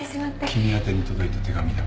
君宛てに届いた手紙だ。